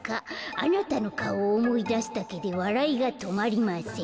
あなたのかおをおもいだすだけでわらいがとまりません」。